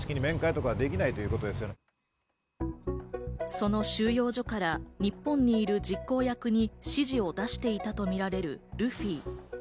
その収容所から日本にいる実行役に指示を出していたとみられるルフィ。